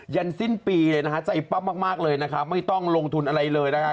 ันสิ้นปีเลยนะฮะใจปั๊บมากเลยนะครับไม่ต้องลงทุนอะไรเลยนะคะ